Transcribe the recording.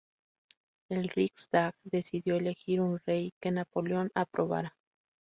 El Riksdag decidió elegir un rey que Napoleón aprobara.